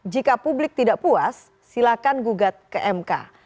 jika publik tidak puas silakan gugat ke mk